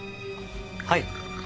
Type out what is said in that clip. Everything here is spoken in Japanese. はい。